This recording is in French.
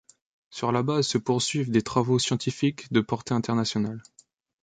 Sur la base se poursuivent des travaux scientifiques de portée internationale.